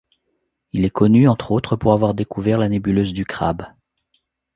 Il est connu entre autres pour avoir découvert la nébuleuse du Crabe.